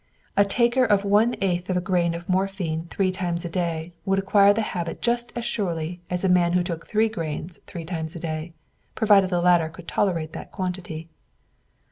A taker of one eighth of a grain of morphine three times a day would acquire the habit just as surely as a man who took three grains three times a day, provided the latter could tolerate that quantity.